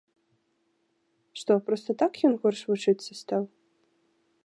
Што, проста так ён горш вучыцца стаў?